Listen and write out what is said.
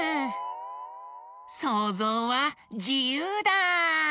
そうぞうはじゆうだ！